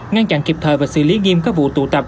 ngăn chặn kịp thời và xử lý nghiêm các vụ tụ tập